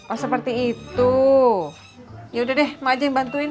oh seperti itu yaudah deh ma aja yang bantuin